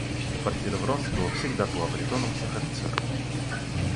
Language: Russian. Квартира Вронского всегда была притоном всех офицеров.